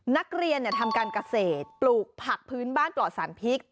นักเรียนทำการเกษตรปลูกผักพื้นบ้านปลอดสารพิษ